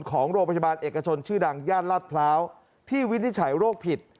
ของโรงพยาบาลเอกชนชื่อดังย่านลาดพร้าวที่วินิจฉัยโรคผิด